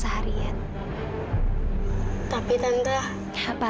saya g cereicho menuh di runtime